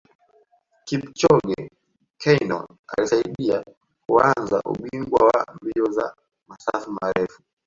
Kipchoge Keino alisaidia kuanza ubingwa wa mbio za masafa marefu